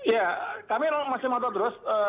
ya kami masih menonton terus